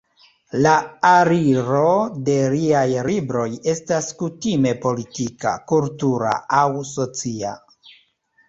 La aliro de liaj libroj estas kutime politika, kultura, aŭ socia.